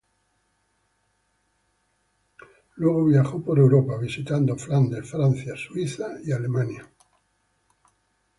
Luego viajó por Europa, visitando Flandes, Francia, Suiza y Alemania.